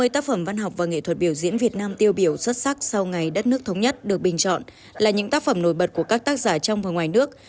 năm mươi tác phẩm văn học và nghệ thuật biểu diễn việt nam tiêu biểu xuất sắc sau ngày đất nước thống nhất được bình chọn là những tác phẩm nổi bật của các tác giả trong và ngoài nước